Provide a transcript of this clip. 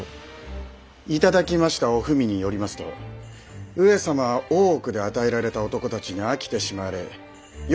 頂きました御文によりますと上様は大奥で与えられた男たちに飽きてしまわれよ